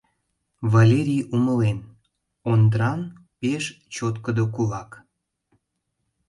Валерий умылен: Ондран пеш чоткыдо кулак.